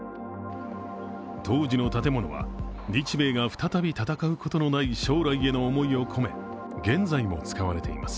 当時の建物は日米が再び戦うことのない将来への思いを込め、現在も使われています。